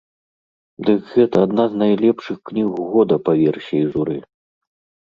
Дык гэта адна з найлепшых кніг года па версіі журы!